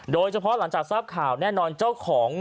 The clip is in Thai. โดยเฉพาะหลังจากทราบข่าวแน่นอนเจ้าของ